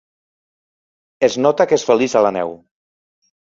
Es nota que és feliç a la neu.